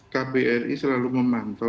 kbri selalu memantau